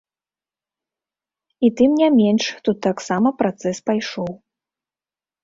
І тым не менш тут таксама працэс пайшоў.